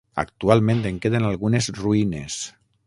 Actualment en queden algunes ruïnes.